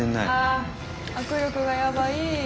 あ握力がヤバい！